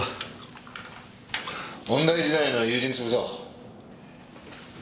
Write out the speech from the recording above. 音大時代の友人つぶそう。